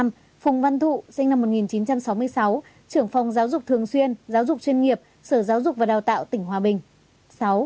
hai phùng văn thụ sinh năm một nghìn chín trăm sáu mươi sáu trưởng phòng giáo dục thường xuyên giáo dục chuyên nghiệp sở giáo dục và đào tạo tỉnh hòa bình